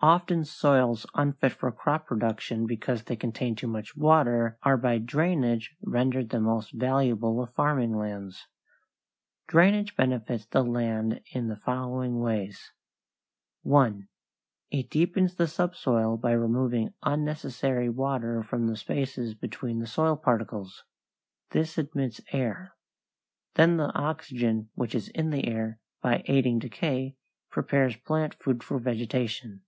Often soils unfit for crop production because they contain too much water are by drainage rendered the most valuable of farming lands. Drainage benefits land in the following ways: 1. It deepens the subsoil by removing unnecessary water from the spaces between the soil particles. This admits air. Then the oxygen which is in the air, by aiding decay, prepares plant food for vegetation.